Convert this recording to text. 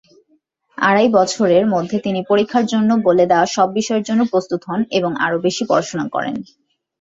আড়াই বছরের মধ্যেই তিনি পরীক্ষার জন্য বলে দেয়া সব বিষয়ের জন্য প্রস্তুত হন এবং আরো বেশি পড়াশোনা করেন।